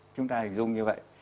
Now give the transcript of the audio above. chúng ta hình dung như vậy